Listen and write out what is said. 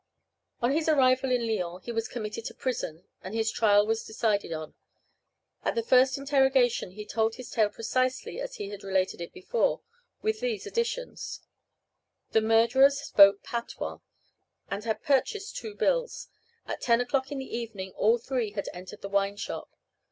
On his arrival in Lyons he was committed to prison, and his trial was decided on. At his first interrogation he told his tale precisely as he had related it before, with these additions: the murderers spoke patois, and had purchased two bills. At ten o'clock in the evening all three had entered the wine shop.